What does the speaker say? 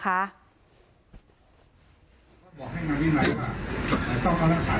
ถ้าน้องเขาได้มองน้องที่เสียผู้เสียหายนะครับว่า